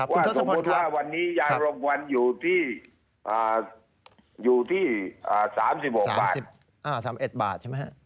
ว่าสมมุติว่าวันนี้ยางรบกวนอยู่ที่๓๖บาท